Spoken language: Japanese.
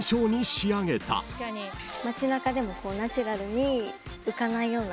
街中でもナチュラルに浮かないようなメイク。